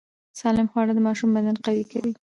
سالم خواړه د ماشوم بدن قوي کوي۔